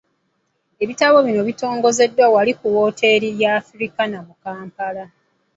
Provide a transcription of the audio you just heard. Ebitabo bino bitongozeddwa wali ku wooteeri ya Africana mu Kampala.